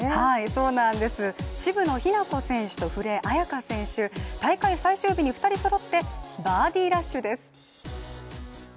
そうなんです、渋野日向子選手と古江彩佳選手大会最終日に２人そろってバーディーラッシュです。